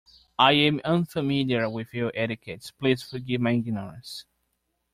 I am unfamiliar with your etiquettes, please forgive my ignorance.